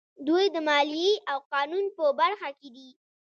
دوی د مالیې او قانون په برخه کې دي.